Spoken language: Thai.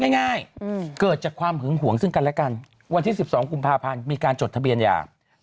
ง่ายเกิดจากความหึงห่วงซึ่งกันและกันวันที่๑๒กุมภาพันธ์มีการจดทะเบียนหย่า